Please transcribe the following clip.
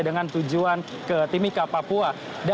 dengan tujuan ke timika papua